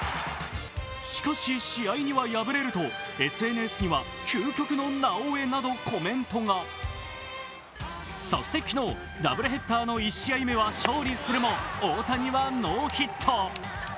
しかし、試合には敗れると、ＳＮＳには究極のなおエなどコメントがそして昨日ダブルヘッダーの１試合目は勝利するも大谷はノーヒット。